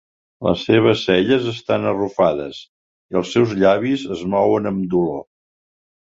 Les seves celles estan arrufades i els seus llavis es mouen amb dolor.